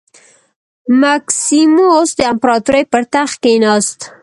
مکسیموس د امپراتورۍ پر تخت کېناست